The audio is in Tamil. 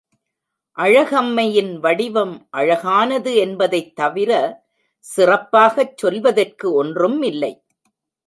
அழகம்மையின் வடிவம் அழகானது என்பதைத் தவிர, சிறப்பாகச் சொல்வதற்கு ஒன்றும் இல்லை.